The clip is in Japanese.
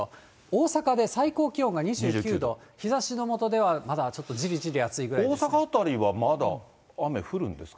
大阪で最高気温が２９度、日ざしの下ではまだちょっとじりじり暑いぐらいです。